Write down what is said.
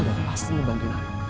dan pasti ngebantuin aku